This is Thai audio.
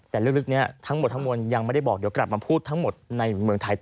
แต่ลึกนี้ทั้งหมดทั้งมวลยังไม่ได้บอกเดี๋ยวกลับมาพูดทั้งหมดในเมืองไทยต่อ